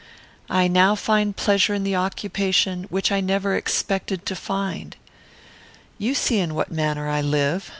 I now find pleasure in the occupation which I never expected to find. "You see in what manner I live.